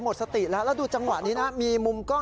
มันทางกว่านี้